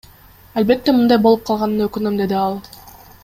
Албетте, мындай болуп калганына өкүнөм, — деди ал.